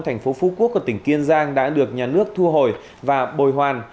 thành phố phú quốc của tỉnh kiên giang đã được nhà nước thu hồi và bồi hoàn